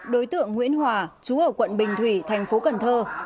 đối tượng nguyễn hòa trú ở quận bình thủy thành phố cần thơ